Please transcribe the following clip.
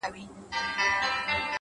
مثبت چلند د ستونزو رنګ بدلوي’